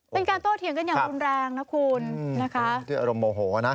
เป็นการโตเถียงกันอย่างรุนแรงนะคะเดี๋ยวอารมณ์โมโหนะ